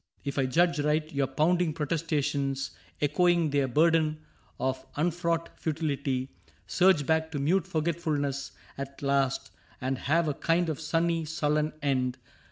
If I judge right. Your pounding protestations, echoing Their burden of unfraught futility, Surge back to mute forgetfulness at last And have a kind of sunny, sullen end.